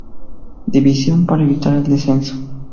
Division para evitar el descenso.